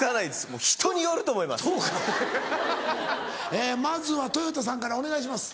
えまずはとよたさんからお願いします。